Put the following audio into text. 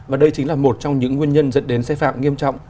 và đây chính là một trong những nguyên nhân dẫn đến sai phạm nghiêm trọng